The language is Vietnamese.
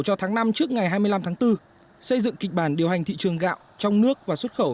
cho tháng năm trước ngày hai mươi năm tháng bốn xây dựng kịch bản điều hành thị trường gạo trong nước và xuất khẩu